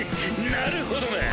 なるほどなぁ。